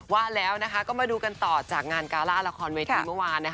ว่าแล้วก็มาดูกันต่อจากงานการ่าละครเวทีเมื่อวาน